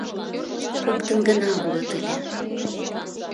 Коктын гына улыт ыле.